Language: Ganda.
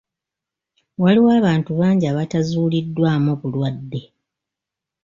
Waliwo abantu bangi abatazuuliddwamu bulwadde.